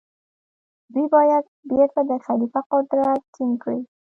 دوی باید بيرته د خليفه قدرت ټينګ کړي.